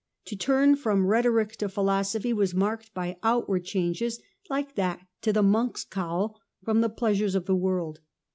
To turn from rhetoric to philosophy was marked by outward changes like that to the monk's cowl from the pleasures of the world.